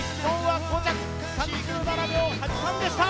３７秒８３でした。